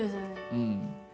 うん。